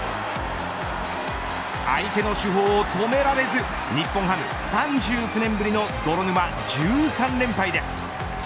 相手の主砲を止められず日本ハム３９年ぶりの泥沼１３連敗です。